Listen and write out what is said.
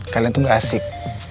kalian tuh gak asik